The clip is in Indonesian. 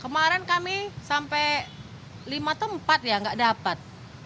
kemarin kami sampai lima tempat ya nggak dapat